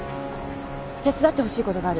手伝ってほしいことがある。